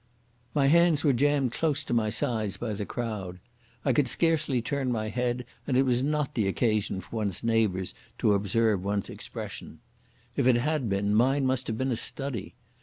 My hands were jammed close to my sides by the crowd; I could scarcely turn my head, and it was not the occasion for one's neighbours to observe one's expression. If it had been, mine must have been a study.